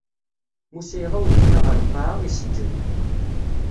Musa iɣawel ikna ɣer lqaɛa, iseǧǧed.